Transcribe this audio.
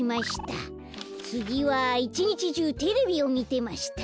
つぎは「いち日じゅうてれびをみてました」。